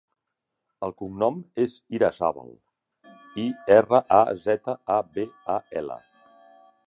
El cognom és Irazabal: i, erra, a, zeta, a, be, a, ela.